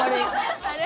あれ？